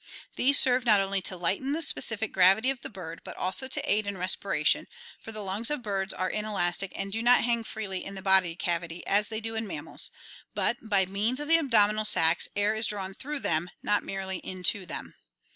These serve not only to lighten the specific gravity of the bird, but also to aid in respiration, for the lungs of birds are inelastic and do not hang freely in the body cavity as they do in mammals, but, by means of the abdominal sacs, air is drawn through them, not merely into them.